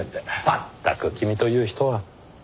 まったく君という人は。